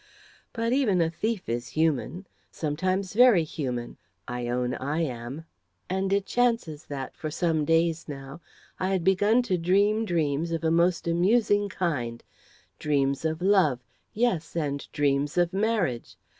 But even a thief is human sometimes very human. I own I am. And it chances that, for some days now, I had begun to dream dreams of a most amusing kind dreams of love yes, and dreams of marriage.